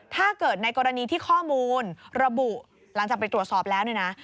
ถ้าเกิดในกรณีที่ข้อมูลระบุหลังจากไปตรวจสอบแล้วเนี่ยนะ